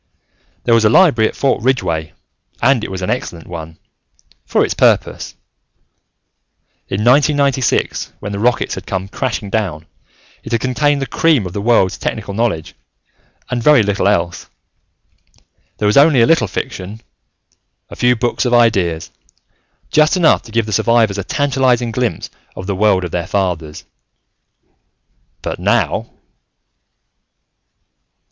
There was a library at Fort Ridgeway, and it was an excellent one ... for its purpose. In 1996, when the rockets had come crashing down, it had contained the cream of the world's technical knowledge and very little else. There was only a little fiction, a few books of ideas, just enough to give the survivors a tantalizing glimpse of the world of their fathers. But now....